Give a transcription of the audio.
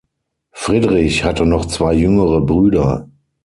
Friedrich hatte noch zwei jüngere Brüder.